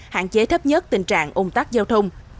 hạn chế thấp nhất tình trạng ôm tắt giao thông